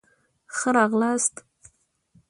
ښه راغلاست.